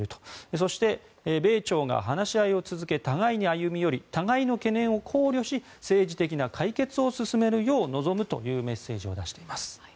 そして米朝が話し合いを続け互いに歩み寄り互いの懸念を考慮し政治的な解決を進めるよう望むというメッセージを出しています。